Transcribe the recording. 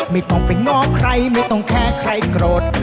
ไม่ต้องไปง้อใครไม่ต้องแค่ใครโกรธ